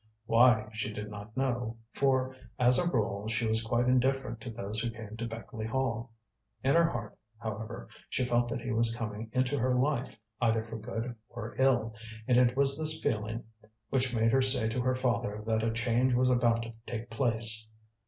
Why, she did not know, for, as a rule, she was quite indifferent to those who came to Beckleigh Hall. In her heart, however, she felt that he was coming into her life, either for good or ill, and it was this feeling which made her say to her father that a change was about to take place.